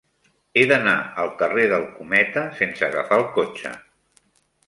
He d'anar al carrer del Cometa sense agafar el cotxe.